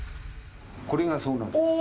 これがそうなんです。